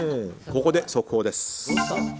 ここで速報です。